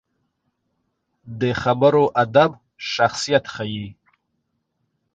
د خبرو ادب شخصیت ښيي